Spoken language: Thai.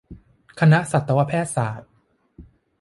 คณะสัตวแพทย์ศาสตร์